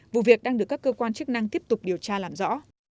vụ việc đang được các cơ quan chức năng tiếp tục điều tra làm rõ